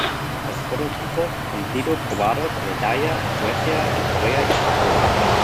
Los prototipos han sido probados en Italia, en Suecia, en Corea y Japón.